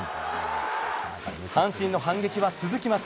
阪神の反撃は続きます。